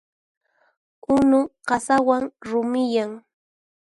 Unu qasawan rumiyan.